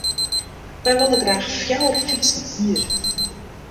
Wy wolle graach fjouwer fytsen hiere.